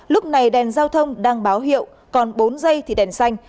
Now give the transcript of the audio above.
lúc này đèn giao thông đang báo hiệu còn bốn dây thì đèn xanh